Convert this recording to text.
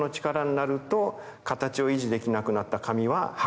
形を維持できなくなった紙は破壊される。